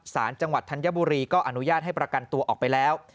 สารจังหวัดธัญบุรีก็อนุญาตให้ประกันตัวออกไปแล้ว